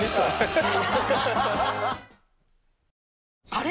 あれ？